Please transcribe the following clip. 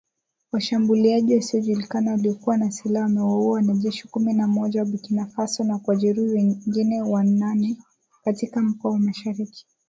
Washambuliaji wasiojulikana waliokuwa na silaha wamewaua wanajeshi kumi na moja wa Burkina Faso na kuwajeruhi wengine wanane katika mkoa wa mashariki